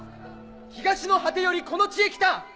東の果てよりこの地へ来た！